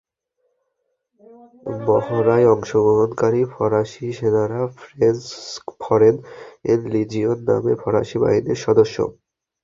মহড়ায় অংশগ্রহণকারী ফরাসি সেনারা ফ্রেঞ্চ ফরেন লিজিওন নামে ফরাসি বাহিনীর সদস্য।